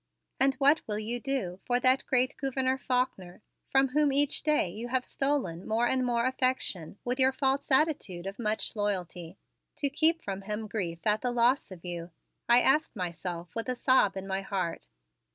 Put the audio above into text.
"And what will you do for that great Gouverneur Faulkner, from whom each day you have stolen more and more affection with your false attitude of much loyalty, to keep from him grief at the loss of you?" I asked myself with a sob in my heart.